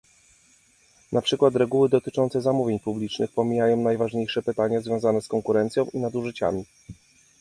Na przykład reguły dotyczące zamówień publicznych pomijają najważniejsze pytania związane z konkurencją i nadużyciami